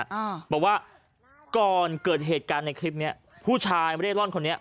อ่าบอกว่าก่อนเกิดเหตุการณ์ในคลิปเนี้ยผู้ชายไม่ได้ร่อนคนนี้